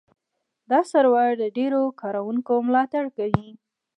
دا سرور د ډېرو کاروونکو ملاتړ کوي.